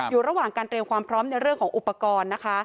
อยู่ระหว่างการเตรียมความพร้อมในเรื่องของอุปกรณ์นะคะ